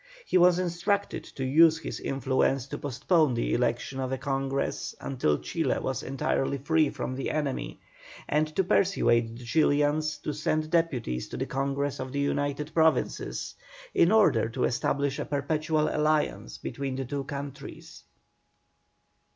He was instructed to use his influence to postpone the election of a Congress until Chile was entirely free from the enemy, and to persuade the Chilians to send deputies to the Congress of the United Provinces, in order to establish a perpetual alliance between the two countries.